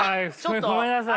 ごめんなさい。